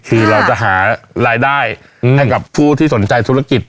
คือเราจะหารายได้ให้กับผู้ที่สนใจธุรกิจ